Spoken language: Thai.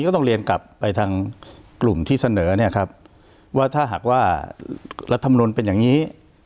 ต้องเรียนกลับไปทางกลุ่มที่เสนอว่าถ้ามีกรุ่งลัฐมณุนเป็นอย่างนี้